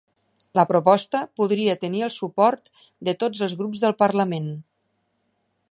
La proposta podria tenir el suport de tots els grups del parlament